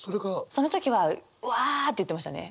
その時は「わぁ」って言ってましたね！